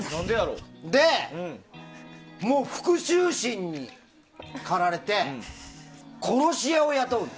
で、復讐心に駆られて殺し屋を雇う。